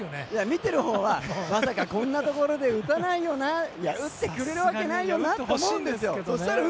見ているほうはまさかこんなところで打たないよな打ってくれるわけないよなと思うんですよ。